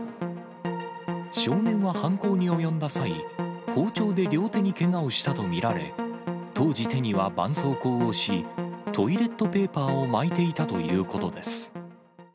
少年は犯行に及んだ際、包丁で両手にけがをしたと見られ、当時、手にはばんそうこうをし、トイレットペーパーを巻いていたということです。